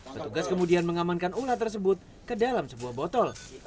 petugas kemudian mengamankan ular tersebut ke dalam sebuah botol